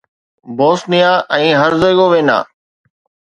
Bosnia ۽ Herzegovina